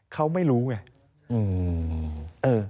เขาไม่รู้ไง